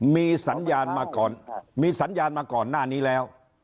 มีสัญญาณมาก่อนมีสัญญาณมาก่อนหน้านี้แล้ว